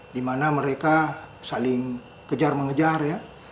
di mana mereka saling kejar mengejar ya